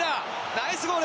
ナイスゴール！